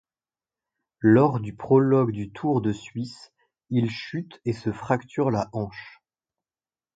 Lors du prologue du Tour de Suisse, il chute et se fracture la hanche.